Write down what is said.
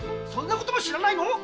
そんなことも知らないの？